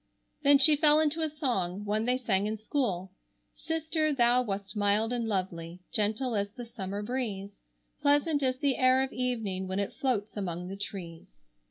Then she fell into a song, one they sang in school, "Sister, thou wast mild and lovely, Gentle as the summer breeze, Pleasant as the air of evening When it floats among the trees."